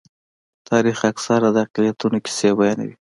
تاریخ اکثره د اقلیتونو کیسې بیانوي.